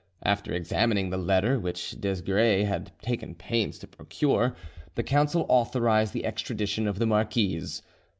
After examining the letter, which Desgrais had taken pains to procure, the council authorised the extradition of the marquise.